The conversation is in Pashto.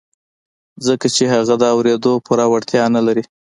ځکه چې هغه د اورېدو پوره وړتيا نه لري.